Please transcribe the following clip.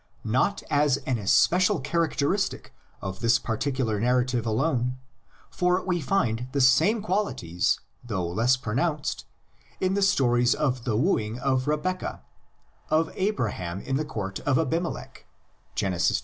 Not as an especial char acteristic of this particular narrative alone, for we find the same qualities, though less pronounced, in the stories of the wooing of Rebeccah, of Abraham at the court of Abimelech (Genesis xx.)